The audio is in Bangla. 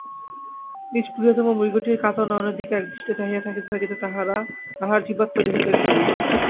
নিজ প্রিয়তম মৃগটির কাতর নয়নের দিকে একদৃষ্টে চাহিয়া থাকিতে থাকিতে তাঁহার জীবাত্মা দেহত্যাগ করিল।